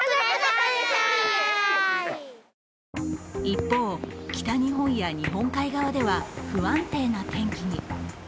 一方、北日本や日本海側では不安定な天気に。